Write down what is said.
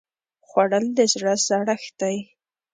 خوړل د زړه سړښت راولي